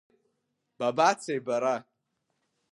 Бабацеи бара!